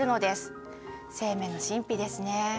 生命の神秘ですね。